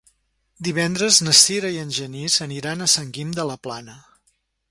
Divendres na Sira i en Genís aniran a Sant Guim de la Plana.